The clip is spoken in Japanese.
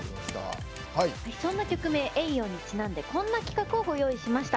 そんな曲名「Ａｙ‐Ｙｏ」にちなんでこんな企画をご用意しました。